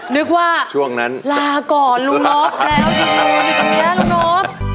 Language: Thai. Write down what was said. นึกว่าลาก่อนลูกโน้บแล้ว